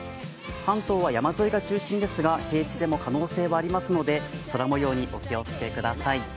関東は山沿いが中心ですが、平地でも可能性はありますので空もようにお気をつけください。